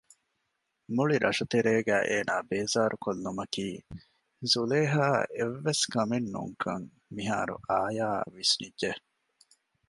މުޅި ރަށުތެރޭގައި އޭނާ ބޭޒާރުކޮށްލުމަކީ ޒުލޭހާއަށް އެއްވެސް ކަމެއް ނޫންކަން މިހާރު އާޔާއަށް ވިސްނިއްޖެ